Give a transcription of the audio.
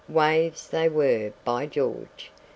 Waves they were, by George!